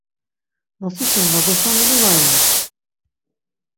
Nosişen va goşamilu va ren.